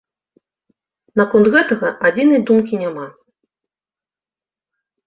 Наконт гэтага адзінай думкі няма.